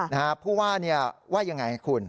ค่ะว่าอย่างไรคุณ